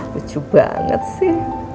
lucu banget sih